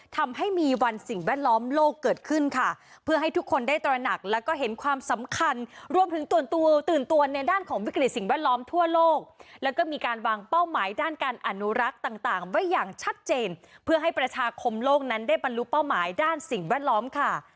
ทั่วโลกแล้วก็มีการวางเป้าหมายด้านการอนุรักษ์ต่างไว้อย่างชัดเจนเพื่อให้ประชาคมโลกนั้นได้บรรลุเป้าหมายด้านสิ่งแวดล้อมค่ะ